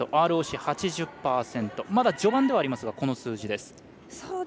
まだ、序盤ではありますがこの数字です。